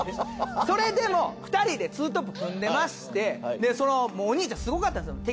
それでも２人でツートップ組んでましてもうお兄ちゃんすごかったんですよ。